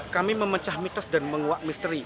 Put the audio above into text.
kami memecah mitos dan menguak misteri